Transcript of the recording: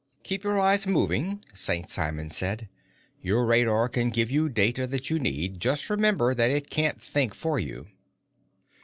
"Keep your eyes moving," St. Simon said. "Your radar can give you data that you need, just remember that it can't think for you."